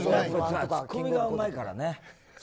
ツッコミがうまいからね。